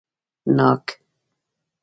🍐ناک